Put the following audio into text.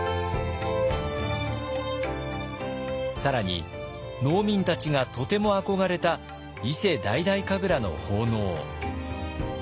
更に農民たちがとても憧れた伊勢大々神楽の奉納。